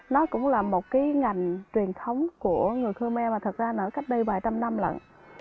nó cũng là một cái ngành truyền thống của người khmer mà thật ra nở cách đây vài trăm năm lận